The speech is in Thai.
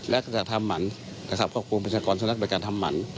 และก็จะทำหมั่นควบคุมพิษากรสุนัขโดยการทำหมั่น